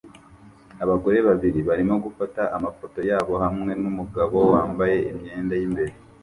Abagore babiri barimo gufata amafoto yabo hamwe numugabo wambaye imyenda y'imbere